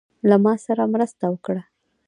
له ماسره مرسته وکړه.